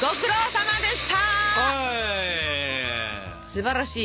すばらしい。